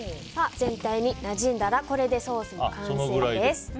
全体になじんだらこれでソースの完成です。